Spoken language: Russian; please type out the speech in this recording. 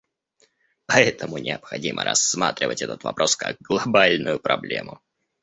Поэтому необходимо рассматривать этот вопрос как глобальную проблему.